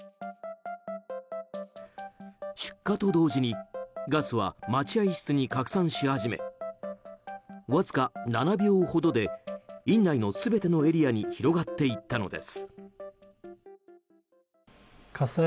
出火と同時にガスは待合室に拡散し始めわずか７秒ほどで院内の全てのエリアに広がっていったのです。